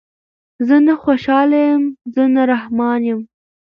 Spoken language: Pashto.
زه نه خوشحال یم زه نه رحمان یم